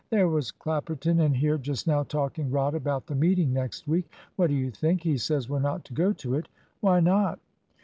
"There was Clapperton in here just now talking rot about the meeting next week. What do you think? He says we're not to go to it." "Why not?"